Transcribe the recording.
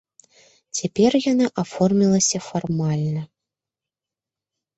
Цяпер яна аформілася фармальна.